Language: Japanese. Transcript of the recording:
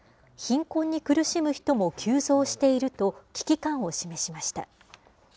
貧困に苦しむ人も急増していると、危機感を示しました。